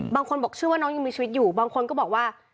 บางคนบอกเชื่อว่าน้องยังมีชีวิตอยู่บางคนก็บอกว่า